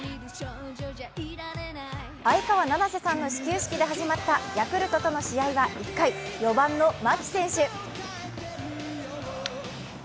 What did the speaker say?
相川七瀬さんの始球式で始まったヤクルトとの試合は１回４番の牧選手。